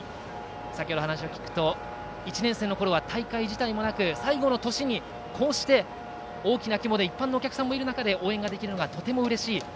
先ほど話を聞くと１年生のころは大会自体もなく最後の年にこうして大きな規模で一般のお客さんがいる中で応援できてうれしい。